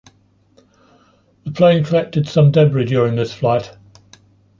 The plane collected some debris during this flight.